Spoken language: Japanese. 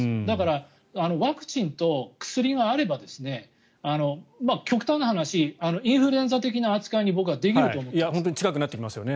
だから、ワクチンと薬があれば極端な話インフルエンザ的な扱いに僕はできると思っています。